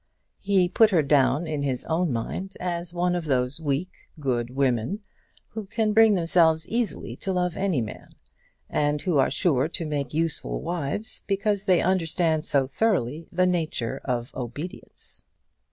He put her down in his own mind as one of those weak, good women, who can bring themselves easily to love any man, and who are sure to make useful wives, because they understand so thoroughly the nature of obedience.